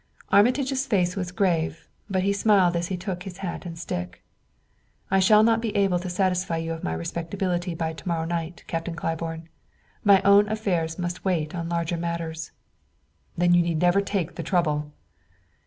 Armitage's face was grave, but he smiled as he took his hat and stick. "I shall not be able to satisfy you of my respectability by to morrow night, Captain Claiborne. My own affairs must wait on larger matters." "Then you need never take the trouble!"